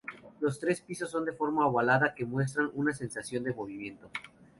Los tres pisos son de forma ovalada que muestran una sensación de movimiento.